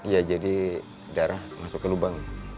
ya jadi darah masuk ke lubang